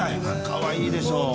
かわいいでしょう？